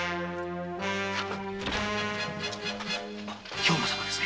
兵馬様ですね。